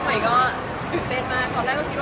ไม่เป็นหัวชะเฉย